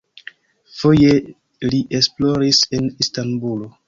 Foje li esploris en Istanbulo.